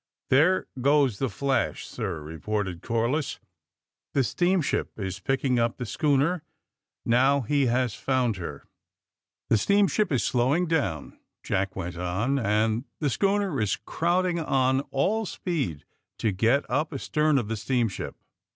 ^^ There goes the flash, sir," reported Corliss. The steamship is picking up the schooner. Now he has found her." The steamship is slowing down, '' Jack went on, ^^and the schooner is crowding on all speed to get up astern of the steamship.